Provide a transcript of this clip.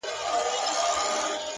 • د هغه به څه سلا څه مشوره وي ,